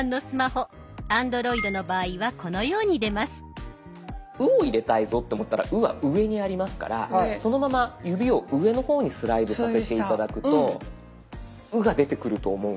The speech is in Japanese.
「う」を入れたいぞって思ったら「う」は上にありますからそのまま指を上の方にスライドさせて頂くと「う」が出てくると思うんです。